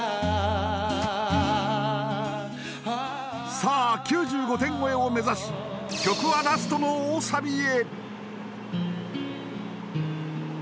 さあ、９５点超えを目指し、曲はラストの大サビへ。